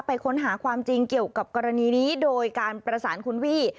ค้นหาความจริงเกี่ยวกับกรณีนี้โดยการประสานคุณวี่